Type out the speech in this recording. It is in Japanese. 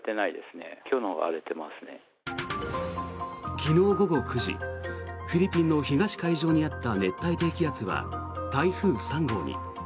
昨日午後９時フィリピンの東海上にあった熱帯低気圧は台風３号に。